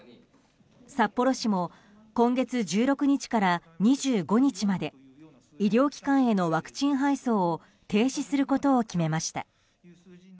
札幌市も今月１６日から２５日まで医療機関へのワクチン配送を停止することを決めました。